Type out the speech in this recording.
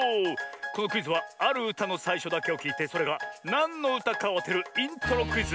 このクイズはあるうたのさいしょだけをきいてそれがなんのうたかをあてるイントロクイズ。